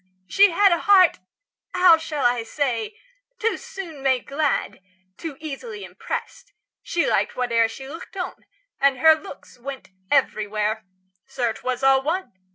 She had A heart how shall I say? too soon made glad, Too easily impressed; she liked whate'er She looked on, and her looks went everywhere. Sir, 'twas all one!